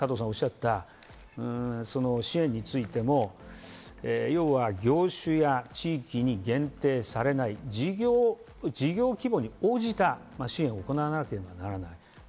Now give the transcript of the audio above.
このくらいのレベルがないと今加藤さんがおっしゃった支援についても業種や地域に限定されない事業規模に応じた支援を行わなければならない。